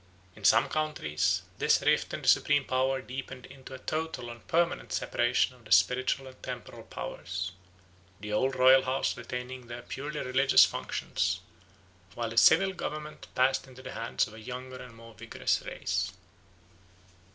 In some countries this rift in the supreme power deepened into a total and permanent separation of the spiritual and temporal powers, the old royal house retaining their purely religious functions, while the civil government passed into the hands of a younger and more vigorous race.